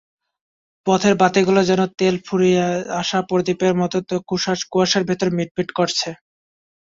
পথের বাতিগুলো যেন তেল ফুরিয়ে আসা প্রদীপের মতো কুয়াশার ভেতর মিটমিট করছে।